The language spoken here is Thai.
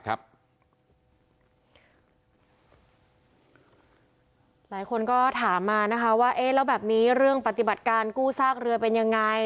หลายคนก็ถามมานะคะว่าเอ๊ะแล้วแบบนี้เรื่องปฏิบัติการกู้ซากเรือเป็นยังไง